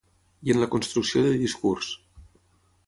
I en la construcció de discurs.